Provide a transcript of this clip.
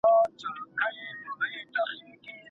په لاس لیکل د ارزښتونو د پیژندلو لاره ده.